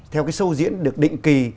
theo cái show diễn được định kỳ